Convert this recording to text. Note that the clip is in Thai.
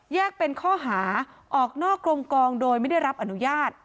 เป็นข้อหาออกนอกกรมกองโดยไม่ได้รับอนุญาต